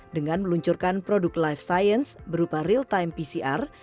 dengan meluncurkan produk life science berupa real time pcr